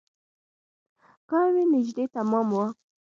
کار مې نژدې تمام و.